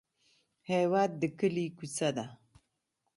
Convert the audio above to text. هېواد د کلي کوڅه ده.